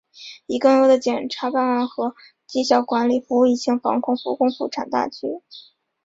以更优的检察办案和绩效管理服务疫情防控、复工复产大局